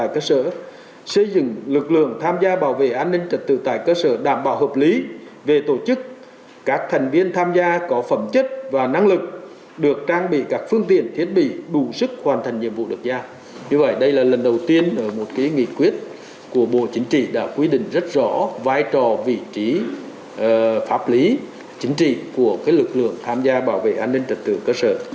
các lực lượng của bộ chính trị đã quy định rất rõ vai trò vị trí pháp lý chính trị của lực lượng tham gia bảo vệ an ninh trật tự ở cơ sở